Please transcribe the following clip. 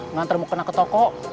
ngantar mau kena ke toko